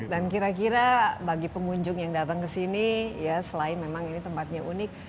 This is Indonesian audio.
dan kira kira bagi pengunjung yang datang kesini ya selain memang ini tempatnya unik